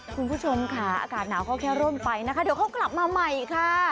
คุณผู้ชมค่ะอากาศหนาวเขาแค่ร่มไปนะคะเดี๋ยวเขากลับมาใหม่ค่ะ